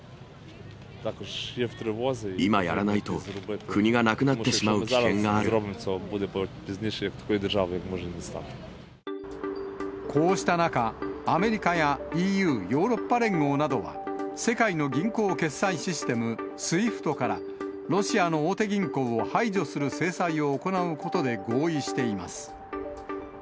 今やらないと、こうした中、アメリカやＥＵ・ヨーロッパ連合などは、世界の銀行決済システム、ＳＷＩＦＴから、ロシアの大手銀行を排除する制裁を行うことで合意しています。